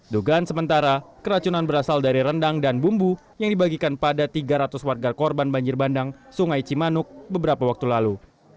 dugaan sementara keracunan berasal dari rendang dan bumbu yang dibagikan pada tiga ratus warga korban banjir bandang sungai cimanuk beberapa waktu lalu